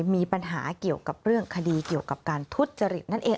มีปัญหาเกี่ยวกับเรื่องคดีเกี่ยวกับการทุจริตนั่นเอง